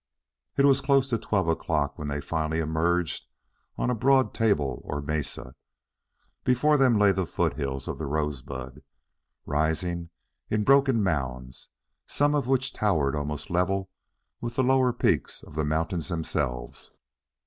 It was close to twelve o'clock when they finally emerged on a broad table or mesa. Before them lay the foothills of the Rosebud, rising in broken mounds, some of which towered almost level with the lower peaks of the mountains themselves.